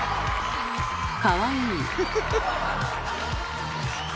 かわいい。